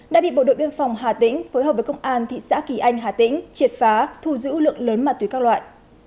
đã bị bộ đội biên phòng hà tĩnh phối hợp với công an thị xã kỳ anh hà tĩnh triệt phá thu giữ lượng lớn ma túy các loại